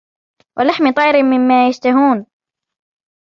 وَلَحْمِ طَيْرٍ مِمَّا يَشْتَهُونَ